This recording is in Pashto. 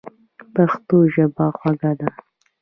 پښتو ژبه خوږه ده.